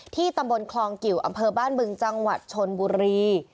ตำบลคลองกิวอำเภอบ้านบึงจังหวัดชนบุรี